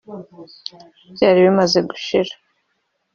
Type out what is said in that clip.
byari bimaze gushira